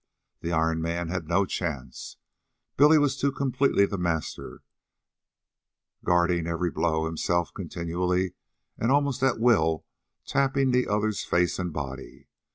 The Iron Man had no chance. Billy was too completely the master, guarding every blow, himself continually and almost at will tapping the other's face and body.